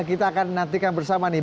kita akan nantikan bersama nih